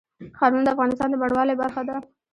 ښارونه د افغانستان د بڼوالۍ برخه ده.